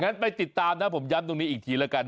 ไปติดตามนะผมย้ำตรงนี้อีกทีแล้วกัน